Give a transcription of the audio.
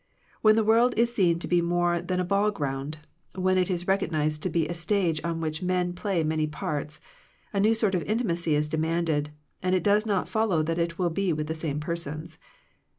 When the world is seen to be more than a ball ground, when it is recognized to be a stage on which men play many parts, a new sort of intimacy is demanded, and it does not follow that it will be with the same persons.